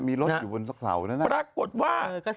มีรถอยู่บนสักเสานะฮะ